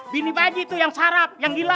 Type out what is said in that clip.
bini pak ji tuh yang sarap yang gila